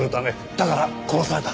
だから殺された？